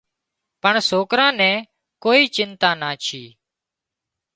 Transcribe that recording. پڻ سوڪران نين ڪوئي چنتا نا ڇي